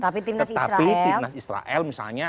misalnya di israel